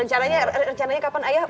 rencananya kapan ayah